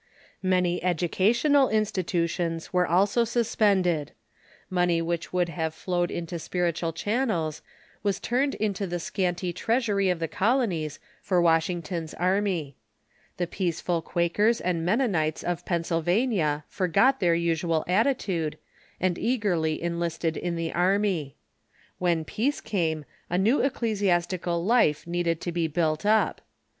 Many educational institutions were also suspended. Money which would have flowed into spiritual channels was turned into the scanty treasury of the colonies for Washington's army. The peaceful Quakers and Mennonites of Pennsylvania forgot their usual attitude, and eagerly enlisted in the army. When peace came, a new ecclesiastical life needed to be built up.